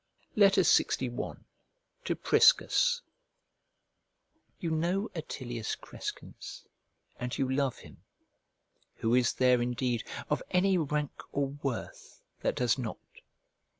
LXI To PRISCUS You know Attilius Crescens, and you love him; who is there, indeed, of any rank or worth, that does not?